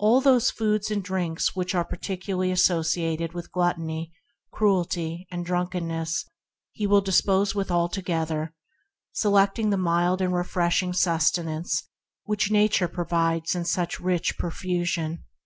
Such food and drink as is particularly asso ciated with gluttony, cruelty, and animal ism he will dispense with altogether, select ing the mild and refreshing sustenance which Nature provides in such rich profusion.